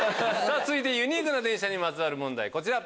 続いてユニークな電車にまつわる問題こちら。